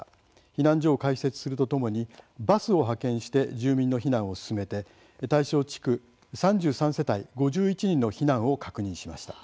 避難所を開設するとともにバスを派遣して住民の避難を進めて対象地区３３世帯５１人の避難を確認しました。